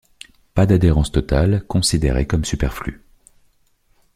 Pas d'adhérence totale, considérée comme superflue.